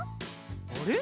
あれ？